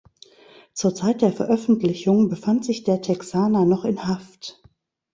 Zur Zeit der Veröffentlichung befand sich der Texaner noch in Haft.